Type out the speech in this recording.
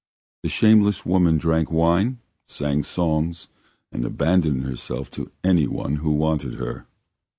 The shameless woman drank wine, sang songs, and abandoned herself to anyone who wanted her.